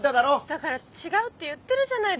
だから違うって言ってるじゃないですか。